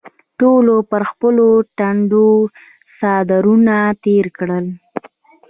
ټولو پر خپلو ټنډو څادرونه تېر کړل.